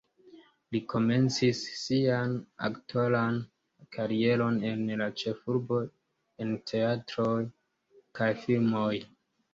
Li komencis sian aktoran karieron en la ĉefurbo en teatroj kaj filmoj.